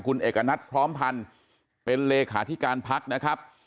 กับนัดพร้อมพันธ์เป็นเลขาธิการภักดิ์นะครับ